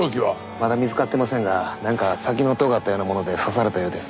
まだ見つかってませんがなんか先のとがったようなもので刺されたようです。